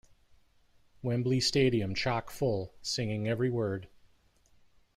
Wembley Stadium chock full, singing every word.